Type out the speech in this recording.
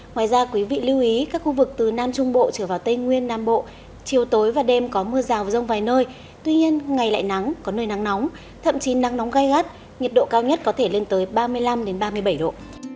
ngoài ra quý vị lưu ý các khu vực từ nam trung bộ trở vào tây nguyên nam bộ chiều tối và đêm có mưa rào và rông vài nơi tuy nhiên ngày lại nắng có nơi nắng nóng thậm chí nắng nóng gai gắt nhiệt độ cao nhất có thể lên tới ba mươi năm ba mươi bảy độ